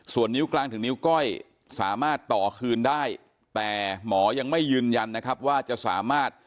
ส่วนนิ้วกลางถึงนิ้วก้อยสามารถต่อคืนได้แต่หมอยังไม่ยืนยันนะครับว่าจะสามารถ